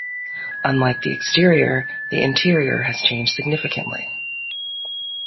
Unlike the exterior, the interior has changed significantly.